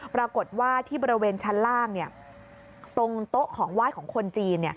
ปรากฏว่าที่บริเวณชั้นล่างตรงโต๊ะของไหว้ของคนจีน